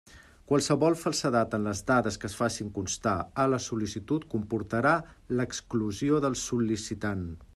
Qualsevol falsedat en les dades que es facin constar a la sol·licitud comportarà l'exclusió del sol·licitant.